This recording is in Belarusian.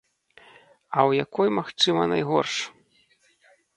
А ў якой, магчыма, найгорш?